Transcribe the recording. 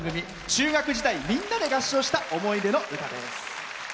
中学時代、みんなで合唱した思い出の歌です。